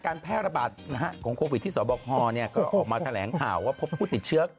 การแพร่ระบาดของโควิดที่สวบคก็ออกมาแถลงข่าวว่าพบผู้ติดเชื้อ